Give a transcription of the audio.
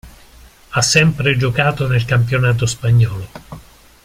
Ha sempre giocato nel campionato spagnolo.